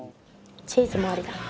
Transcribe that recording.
チーズもありだな。